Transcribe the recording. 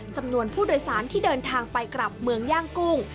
จำนวนผู้โดยสารที่เดินทางไปกลับเมืองย่างกุ้ง